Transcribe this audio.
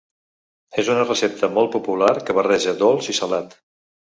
És una recepta molt popular que barreja dolç i salat.